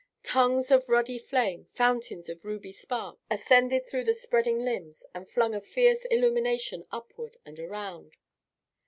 Tongues of ruddy flame, fountains of ruby sparks, ascended through the spreading limbs and flung a fierce illumination upward and around.